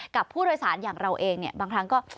กับผู้โดยสารอย่างเราเองเนี่ยบางครั้งก็